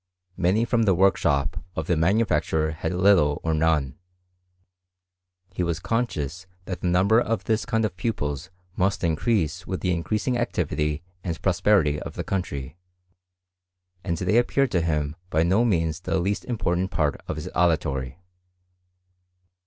Many from the workshop of the manufacturer had little or none. He was conscious that the number of this kind of pupils must increase with the increasing activity and prospe rity of the country ; and they appeared to him by no means the least important part of his auditory.